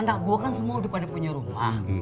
anak gue kan semua udah pada punya rumah